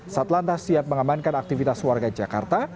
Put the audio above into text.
saat lantas siap mengamankan aktivitas warga jakarta